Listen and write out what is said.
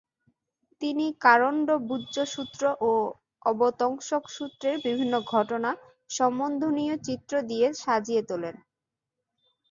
তিনি কারণ্ডব্যূহসূত্র ও অবতংসকসূত্রের বিভিন্ন ঘটনা সম্বন্ধীয় চিত্র দিয়ে সাজিয়ে তোলেন।